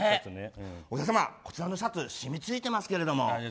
お客様、こちらのシャツ染みがついていますけども。